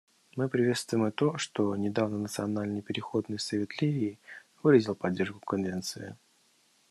Мы приветствуем и то, что недавно Национальный переходный совет Ливии выразил поддержку Конвенции.